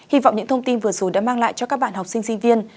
hy vọng những thông tin vừa rồi đã mang lại cho các bạn học sinh sinh viên